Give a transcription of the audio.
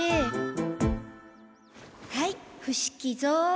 はい伏木蔵。